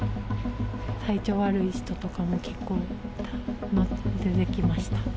体調悪い人とかも結構出てきました。